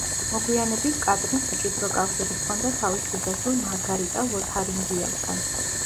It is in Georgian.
მოგვიანებით კატრინს მჭიდრო კავშირი ჰქონდა თავის ბიძაშვილ მარგარიტა ლოთარინგიელთან.